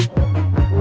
udah santai aja ya